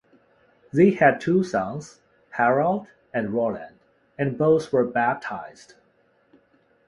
They had two sons, Harald and Roland, and both were baptized.